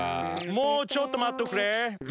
もうちょっと待っとくれ。